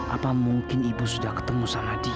apa mungkin ibu sudah ketemu sama dia